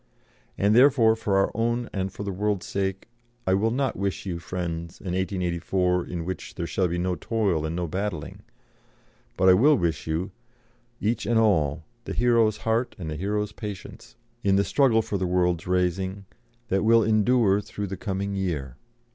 And therefore, for our own and for the world's sake, I will not wish you, friends, an 1884 in which there shall be no toil and no battling; but I will wish you, each and all, the hero's heart and the hero's patience, in the struggle for the world's raising that will endure through the coming year."